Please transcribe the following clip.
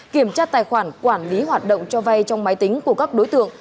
kiểm tra tài khoản quản lý hoạt động cho vay trong máy tính của các đối tượng